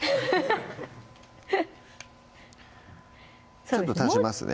全然ちょっと足しますね